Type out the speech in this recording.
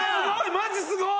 マジすごい！